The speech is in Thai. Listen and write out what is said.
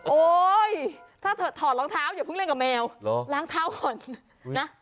โอ๊ยถ้าถอดรองเท้าอย่าเพิ่งเล่นกับแมวล้างเท้าก่อนนะ